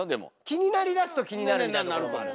気になりだすと気になるみたいな。